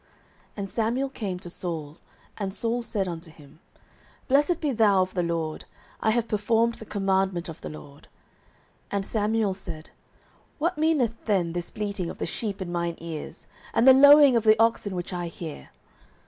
09:015:013 And Samuel came to Saul: and Saul said unto him, Blessed be thou of the LORD: I have performed the commandment of the LORD. 09:015:014 And Samuel said, What meaneth then this bleating of the sheep in mine ears, and the lowing of the oxen which I hear?